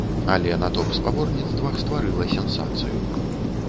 Але на топ-спаборніцтвах стварыла сенсацыю.